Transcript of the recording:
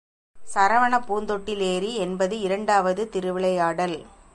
சரவணப் பூந்தொட்டிலேறி என்பது இரண்டாவது திருவிளையாடல்.